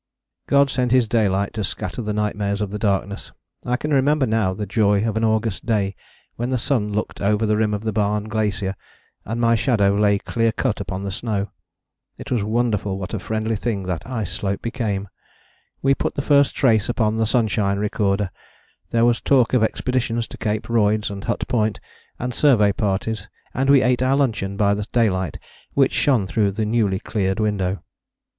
God sent His daylight to scatter the nightmares of the darkness. I can remember now the joy of an August day when the sun looked over the rim of the Barne Glacier, and my shadow lay clear cut upon the snow. It was wonderful what a friendly thing that ice slope became. We put the first trace upon the sunshine recorder; there was talk of expeditions to Cape Royds and Hut Point, and survey parties; and we ate our luncheon by the daylight which shone through the newly cleared window.